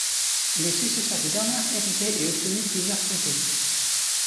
Les successeurs de Bernard héritées et obtenu plusieurs comtés.